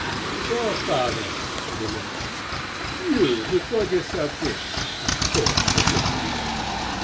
"So, Father," said Inez, "you, who thought yourself rich, are poor again."